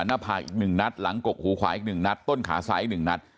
หน้าผากอีก๑นัดหลังกกหูขวาอีก๑นัดต้นขาซ้าย๑นัด